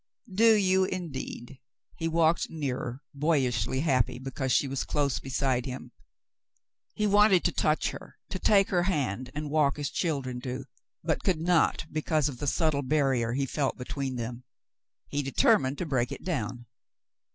"Do you, indeed?" he walked nearer, boyishly happy because she was close beside him. He wanted to touch her, to take her hand and walk as children do, but could not because of the subtile barrier he felt between them. He determined to break it down.